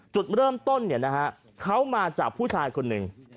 จุดเริ่มต้นเขามาจากผู้ชายคนหนึ่ง